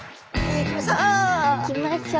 行きましょう。